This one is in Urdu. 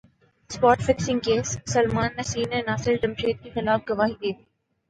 spot fixing case Salman Nasir نے ناصر جمشید کیخلاف گواہی دے دی